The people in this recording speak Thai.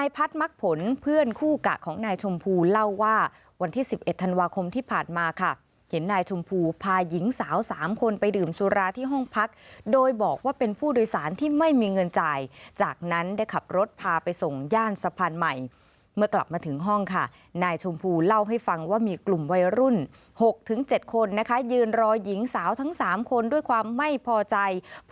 พักมักผลเพื่อนคู่กะของนายชมพูเล่าว่าวันที่๑๑ธันวาคมที่ผ่านมาค่ะเห็นนายชมพูพาหญิงสาว๓คนไปดื่มสุราที่ห้องพักโดยบอกว่าเป็นผู้โดยสารที่ไม่มีเงินจ่ายจากนั้นได้ขับรถพาไปส่งย่านสะพานใหม่เมื่อกลับมาถึงห้องค่ะนายชมพูเล่าให้ฟังว่ามีกลุ่มวัยรุ่น๖๗คนนะคะยืนรอหญิงสาวทั้ง๓คนด้วยความไม่พอใจ